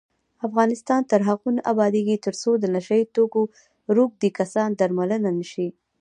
افغانستان تر هغو نه ابادیږي، ترڅو د نشه یي توکو روږدي کسان درملنه نشي.